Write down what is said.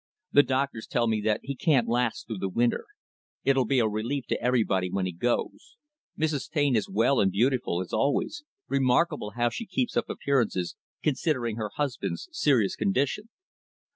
"The doctors tell me that he can't last through the winter. It'll be a relief to everybody when he goes. Mrs. Taine is well and beautiful, as always remarkable how she keeps up appearances, considering her husband's serious condition.